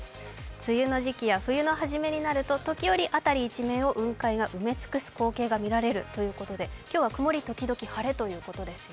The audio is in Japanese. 梅雨の時期や冬の初めになると、時折、辺り一面を雲海が埋め尽くす光景が見られるということで、今日は曇りときどき晴れということですよ。